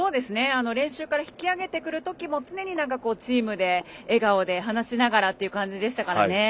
練習から引きあげてくるときも常にチームで笑顔で話しながらっていう感じでしたね。